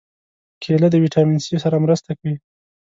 کېله د ویټامین C سره مرسته کوي.